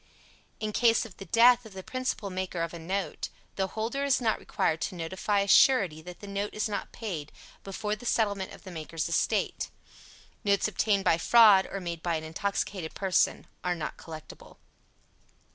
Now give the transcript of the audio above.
In case of the death of the principal maker of a note, the holder is not required to notify a surety that the note is not paid, before the settlement of the maker's estate. Notes obtained by fraud, or made by an intoxicated person, are not collectible.